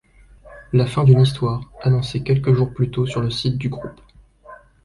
La fin d'une histoire, annoncée quelques jours plus tôt sur le site du groupe.